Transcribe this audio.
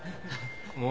もう。